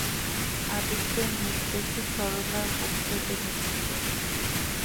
আদিত্যের মুখ দেখে সরলার বুক ফেটে যেতে চায়।